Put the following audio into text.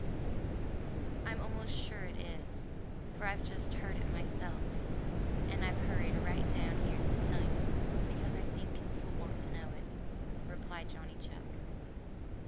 "I'm almost sure it is, for I've just heard it myself, and I've hurried right down here to tell you because I think you'll want to know it," replied Johnny Chuck.